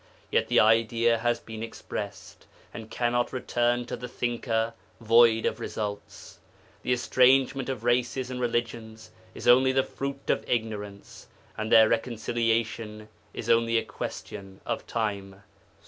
Yet the idea has been expressed, and cannot return to the Thinker void of results. The estrangement of races and religions is only the fruit of ignorance, and their reconciliation is only a question of time.